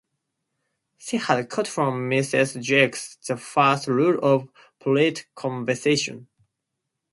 She had caught from Mrs. Jakes the first rule of polite conversation.